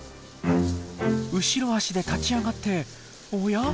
後ろ足で立ち上がっておや？